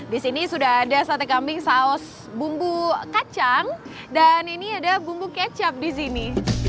di sini sudah ada sate kambing saus bumbu kacang dan ini ada bumbu kecap di sini